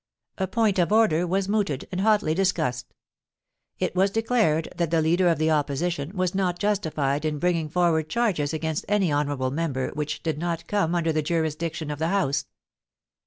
A point of order was mooted and hotly discussed. It was declared that the leader of the Opposition was not justified in bringing forward charges against any honourable member which did not come under the jurisdiction of the House.